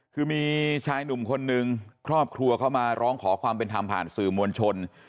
คือมีชายหนุ่มคนนึงครอบครัวเข้ามาร้องขอความเป็นธรรมผ่านสื่อมวลชน